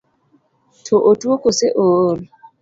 To otuo kose ool?